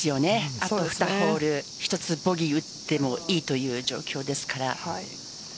あと２ホール１つ、ボギー打ってもいいという状況ですから。